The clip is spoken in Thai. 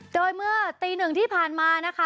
โดยเมื่อตีหนึ่งที่ผ่านมานะคะ